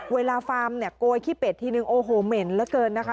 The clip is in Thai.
ฟาร์มเนี่ยโกยขี้เป็ดทีนึงโอ้โหเหม็นเหลือเกินนะคะ